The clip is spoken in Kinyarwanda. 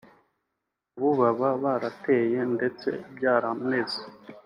ubu baba barateye ndetse byarameze